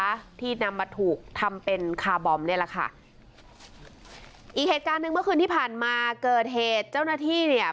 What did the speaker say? ที่นำมาถูกทำเป็นคาร์บอมเนี่ยแหละค่ะอีกเหตุการณ์หนึ่งเมื่อคืนที่ผ่านมาเกิดเหตุเจ้าหน้าที่เนี่ย